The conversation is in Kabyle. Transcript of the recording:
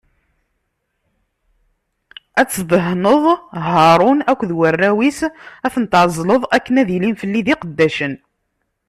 Ad tdehneḍ Haṛun akked warraw-is, ad ten-tɛezleḍ akken ad ilin fell-i d iqeddacen.